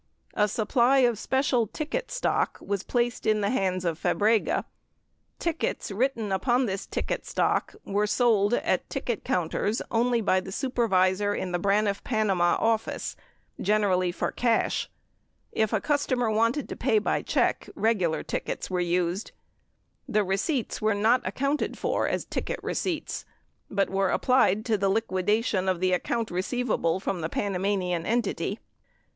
A supply of special ticket stock was placed in the hands of Fabrega, Tickets writ ten upon this ticket stock were sold at the ticket counters only by the 48 13 Hearings 5449. 50 13 Hearings 5810. 51 13 Hearings 5812. 63 13 Hearings 5484 85. 463 supervisor in the Braniff Panama office, generally for cash. If a cus tomer wanted to pay by check, regular tickets were used. The receipts were not accounted for as ticket receipts, but were applied to the liquidation of the account receivable from the Panamanian entity.